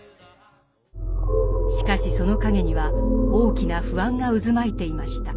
しかしその陰には大きな不安が渦巻いていました。